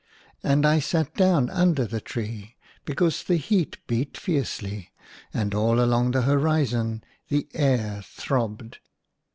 And I sat down under the tree, because the heat beat fiercely, and all along the horizon the air throbbed.